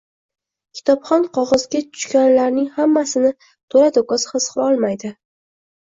Kitobxon qog’ozga tushganlarning hammasini to’la-to’kis his qilolmaydi.